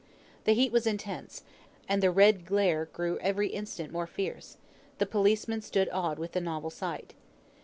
The heat was intense, and the red glare grew every instant more fierce; the policemen stood awed with the novel sight.